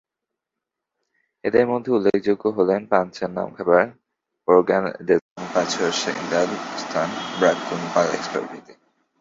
এঁদের মধ্যে উল্লেখযোগ্য হলেন পান-ছেন-নাম-ম্খা'-দ্পাল-ব্জাং, ও-র্গ্যান-দ্জোং-পা-ছোস-স্ক্যোং-র্গ্যাল-ম্ত্শান ও 'ব্রুগ-পা-কুন-লেগ্স প্রভৃতি।